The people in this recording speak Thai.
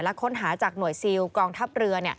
และค้นหาจากหน่วยซิลกองทัพเรือ